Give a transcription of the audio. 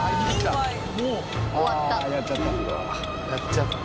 やっちゃった。